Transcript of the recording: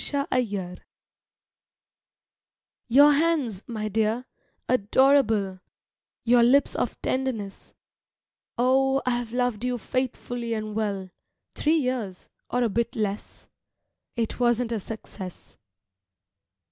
THE CHILTERNS Your hands, my dear, adorable, Your lips of tenderness Oh, I've loved you faithfully and well, Three years, or a bit less. It wasn't a success.